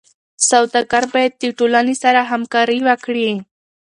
سوداګر باید د ټولنې سره همکاري وکړي.